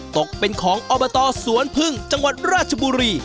ตกเป็นของอบตสวนพึ่งจังหวัดราชบุรี